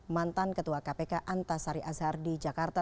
mantan ketua kpk antasari azhar di jakarta